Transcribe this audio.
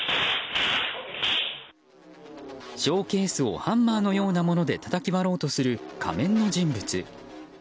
ショーケースをハンマーのようなものでたたき割ろうとする仮面の人物。